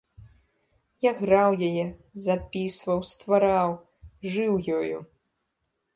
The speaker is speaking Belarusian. Я граў яе, запісваў, ствараў, жыў ёю.